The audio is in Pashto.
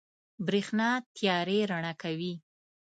برېښنا تيارې رڼا کوي.